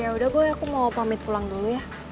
ya udah gue aku mau pamit pulang dulu ya